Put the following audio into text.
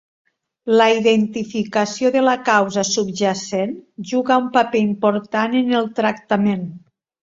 La identificació de la causa subjacent juga un paper important en el tractament.